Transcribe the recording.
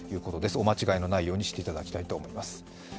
お間違いのないようにしていただきたいと思います。